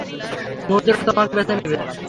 মুহূর্তটা তোমাকে বেছে নেবে।